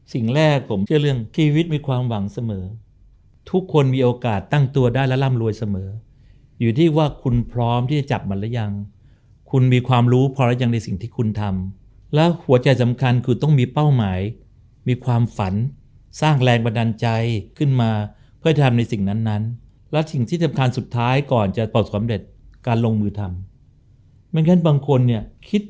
สิ่งแรกผมเชื่อเรื่องชีวิตมีความหวังเสมอทุกคนมีโอกาสตั้งตัวได้และร่ำรวยเสมออยู่ที่ว่าคุณพร้อมที่จะจับมันหรือยังคุณมีความรู้พอแล้วยังในสิ่งที่คุณทำแล้วหัวใจสำคัญคือต้องมีเป้าหมายมีความฝันสร้างแรงบันดาลใจขึ้นมาเพื่อทำในสิ่งนั้นนั้นและสิ่งที่สำคัญสุดท้ายก่อนจะตอบสำเร็จการลงมือทำไม่งั้นบางคนเนี่ยคิด